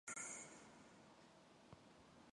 Би хувьсгалын дайснуудтай хэзээ ч эвлэрэхгүй.